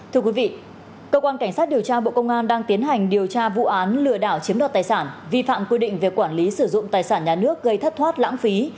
thưa quý vị cơ quan cảnh sát điều tra bộ công an đang tiến hành điều tra vụ án lừa đảo chiếm đoạt tài sản vi phạm quy định về quản lý sử dụng tài sản nhà nước gây thất thoát lãng phí